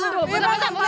iya pak lihat tadi pak